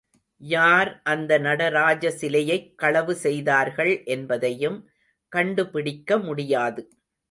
யார் அந்த நடராஜ சிலையைக் களவு செய்தார்கள் என்பதையும் கண்டுபிடிக்க முடியாது.